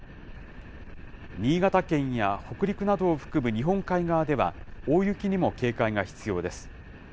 新潟県や北陸などを含む日本海側では、大雪にも警戒が必要です。